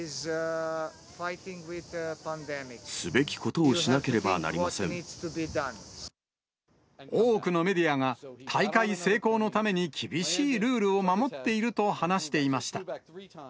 すべきことをしなければなりませ多くのメディアが、大会成功のために厳しいルールを守っていると話していました。